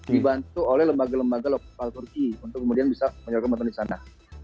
dibantu oleh lembaga lembaga lokal turki untuk kemudian bisa menyalurkan bantuan di sana